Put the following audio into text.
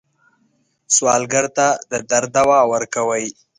سوالګر ته د درد دوا ورکوئ